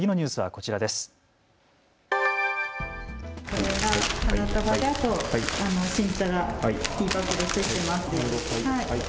では次のニュースはこちらです。